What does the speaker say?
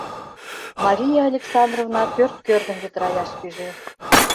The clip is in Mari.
Мария Александровна пӧрт кӧргым йытыраяш пиже.